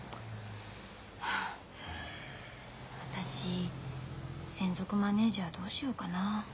はあ私専属マネージャーどうしようかな。